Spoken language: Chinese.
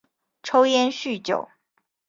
抽烟酗酒